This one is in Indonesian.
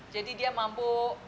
jadi dia mampu